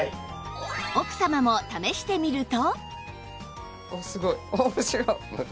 奥様も試してみると